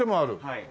はい。